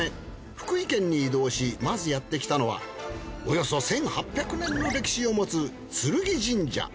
福井県に移動しまずやってきたのはおよそ１，８００年の歴史を持つ劔神社。